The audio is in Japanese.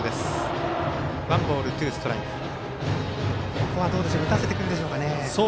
ここは打たせてくるでしょうかね。